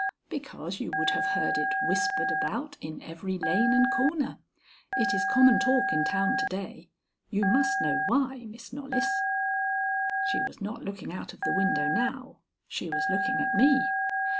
"Because you would have heard it whispered about in every lane and corner. It is common talk in town to day. You must know why, Miss Knollys." She was not looking out of the window now. She was looking at me.